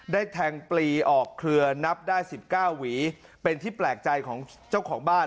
แทงปลีออกเครือนับได้๑๙หวีเป็นที่แปลกใจของเจ้าของบ้าน